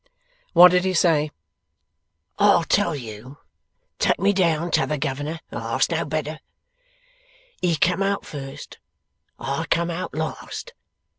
'What did he say?' 'I'll tell you (take me down, T'other Governor, I ask no better). He come out first; I come out last.